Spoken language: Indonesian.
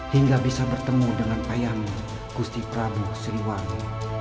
hingga bisa bertemu dengan ayahmu gusti prabu siliwangi